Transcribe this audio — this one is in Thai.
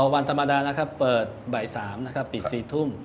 วันธรรมดานะครับเปิดบ่าย๓นะครับปิด๔ทุ่ม